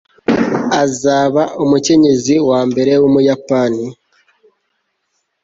azaba umukenyezi wa mbere w'umuyapani